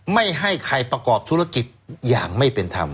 ไม่ให้ใครประกอบธุรกิจอย่างไม่เป็นธรรม